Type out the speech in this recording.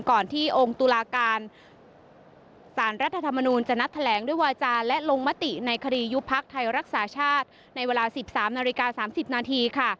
ก่อนที่องค์ตุลาการสารรัฐธรรมนูญจะนัดแถลงด้วยวาจาและลงมติในคดียุบพักไทยรักษาชาติในเวลา๑๓นาฬิกา๓๐นาทีค่ะ